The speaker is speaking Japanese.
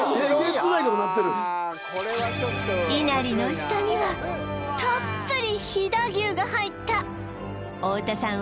いなりの下にはたっぷり飛騨牛が入った太田さん